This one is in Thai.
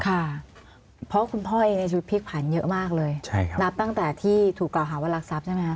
เพราะว่าคุณพ่อในชีวิตพลิกผันเยอะมากเลยนับตั้งแต่ที่ถูกกล่าวหาว่ารักทรัพย์ใช่ไหมครับ